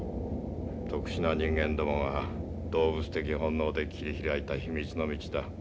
特殊な人間どもが動物的本能的に切り開いた秘密の道だ。